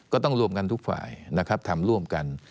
ก็ต้องรวมกันทุกฝ่ายนะครับทำร่วมกัน